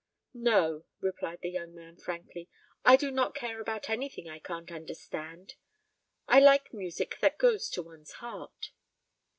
"No," replied the young man frankly; "I do not care about anything I can't understand. I like music that goes to one's heart."